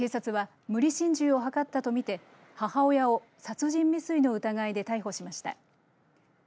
警察は、無理心中を図ったとみて母親を殺人未遂の疑いで逮捕しました。